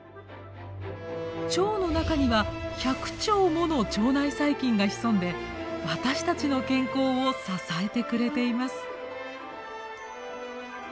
腸の中には１００兆もの腸内細菌が潜んで私たちの健康を支えてくれています。